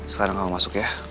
sekarang kamu masuk ya